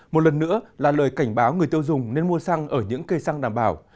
một lần nữa là lời cảnh báo người tiêu dùng nên mua xăng ở những cây xăng đảm bảo